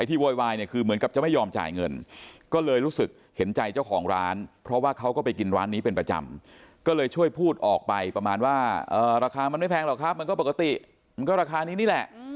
โวยวายเนี่ยคือเหมือนกับจะไม่ยอมจ่ายเงินก็เลยรู้สึกเห็นใจเจ้าของร้านเพราะว่าเขาก็ไปกินร้านนี้เป็นประจำก็เลยช่วยพูดออกไปประมาณว่าราคามันไม่แพงหรอกครับมันก็ปกติมันก็ราคานี้นี่แหละ